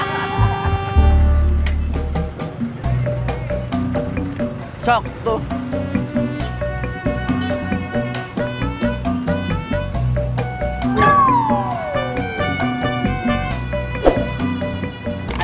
sampai jumpa lagi